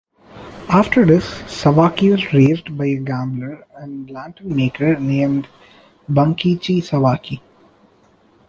After this, Sawaki was raised by a gambler and lantern maker named Bunkichi Sawaki.